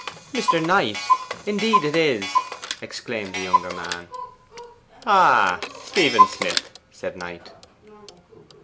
'Mr. Knight indeed it is!' exclaimed the younger man. 'Ah, Stephen Smith!' said Knight.